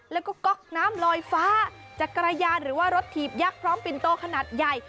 แล้วก็ก๊อกน้ำลอยฟ้าจักรยานหรือว่ารถถีบยักษ์พร้อมปินโตขนาดใหญ่